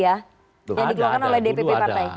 yang dikeluarkan oleh dpp partai